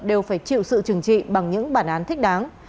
đều phải chịu sự trừng trị bằng những bản án thích đáng